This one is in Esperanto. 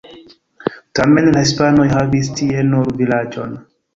Tamen la hispanoj havis tie nur vilaĝon.